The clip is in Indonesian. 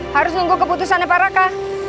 harus tunggu keputusan apa raka